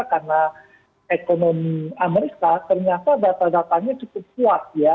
karena ekonomi amerika ternyata data datanya cukup kuat ya